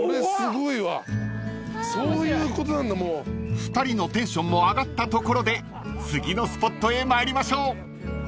［２人のテンションも上がったところで次のスポットへ参りましょう］